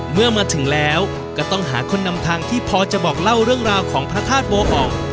เมื่อมาถึงแล้วก็ต้องหาคนนำทางที่พอจะบอกเล่าเรื่องราวของพระธาตุโบอ่อง